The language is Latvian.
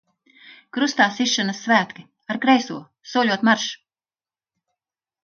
Krustā sišanas svētki, ar kreiso, soļot marš!